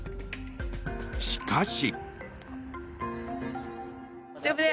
しかし。